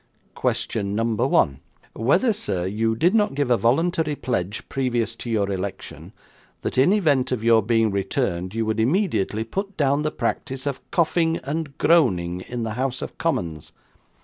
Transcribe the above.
'Question number one. Whether, sir, you did not give a voluntary pledge previous to your election, that in event of your being returned, you would immediately put down the practice of coughing and groaning in the House of Commons.